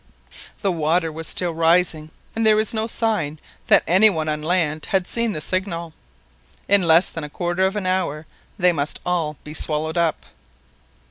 The water was still rising, and there was no sign that any one on land had seen the signal. In less than a quarter of an hour they must all be swallowed up.